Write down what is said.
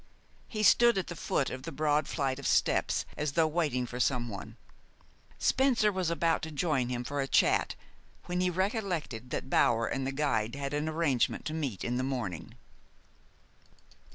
He stood at the foot of the broad flight of steps, as though waiting for someone. Spencer was about to join him for a chat, when he recollected that Bower and the guide had an arrangement to meet in the morning.